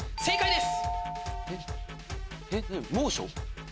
正解です。